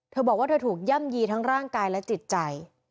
เธอบอกว่าเธอถูกย่ำยีทั้งร่างกายและจิตใจ